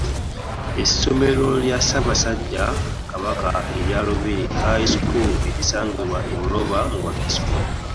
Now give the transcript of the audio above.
Essomero lya Ssaabasajja Kabaka erya Lubiri High School erisangibwa e Buloba mu Wakiso